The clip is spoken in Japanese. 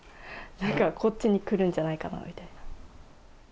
なんか、こっちに来るんじゃないかなみたいな。